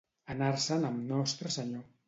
Anar-se'n amb Nostre Senyor.